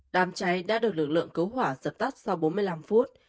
đàm cháy đã được lực lượng cứu hỏa sập tắt sau bốn mươi năm phút